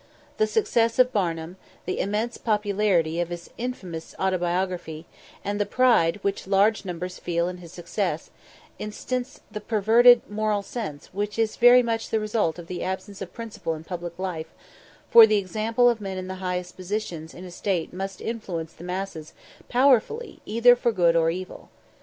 The success of Barnum, the immense popularity of his infamous autobiography, and the pride which large numbers feel in his success, instance the perverted moral sense which is very much the result of the absence of principle in public life; for the example of men in the highest positions in a state must influence the masses powerfully either for good or evil.